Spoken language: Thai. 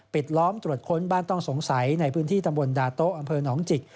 ล้อมตรวจค้นบ้านต้องสงสัยในพื้นที่ตำบลดาโต๊ะอำเภอหนองจิก